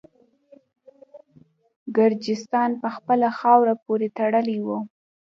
ګرجستان په خپله خاوره پوري تړلی وو.